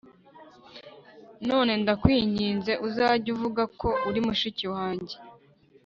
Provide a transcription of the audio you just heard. none ndakwinginze uzajye uvuga ko uri mushiki wanjye